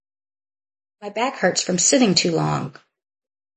My back hurts from sitting too long.